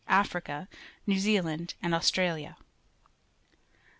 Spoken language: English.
^Africa, New Zealand, and Aust ralia.